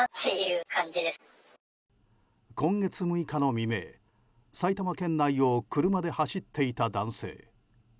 今月６日の未明埼玉県内を車で走っていた男性。